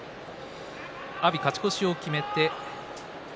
阿炎、勝ち越しを決めました